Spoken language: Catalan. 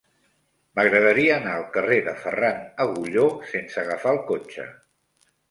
M'agradaria anar al carrer de Ferran Agulló sense agafar el cotxe.